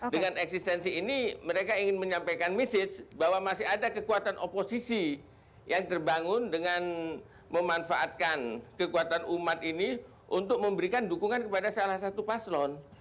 dengan eksistensi ini mereka ingin menyampaikan mesej bahwa masih ada kekuatan oposisi yang terbangun dengan memanfaatkan kekuatan umat ini untuk memberikan dukungan kepada salah satu paslon